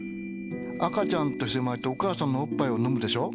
赤ちゃんとして生まれてお母さんのおっぱいを飲むでしょ？